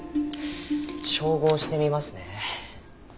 照合してみますね。